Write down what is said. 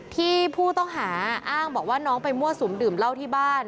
ที่ผู้ต้องหาอ้างบอกว่าน้องไปมั่วสุมดื่มเหล้าที่บ้าน